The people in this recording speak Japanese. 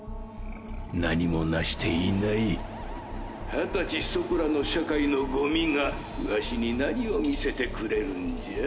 何も為していない二十歳そこらの社会の塵がワシに何を見せてくれるんじゃ？